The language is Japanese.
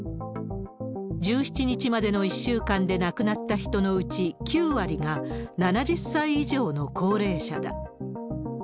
１７日までの１週間で亡くなった人のうち、９割が７０歳以上の高齢者だ。